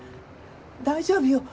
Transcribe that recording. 大丈夫よ。